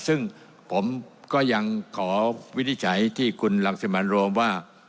ซึ่งผมก็ยังขอวิทย์ใหญ่ที่คุณรักษิตรมรมว่า